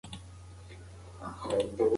ده ته یوه لار د چوک او بله د پارک په لور ښکارېده.